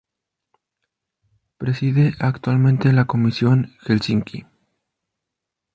Preside actualmente la Comisión Helsinki.